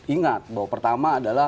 ingat bahwa pertama adalah